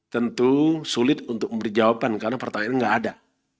tentu sulit untuk memberi jawaban karena pertanyaan ini enggak ada